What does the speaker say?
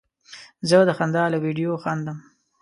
زه د خندا له ویډیو خندم.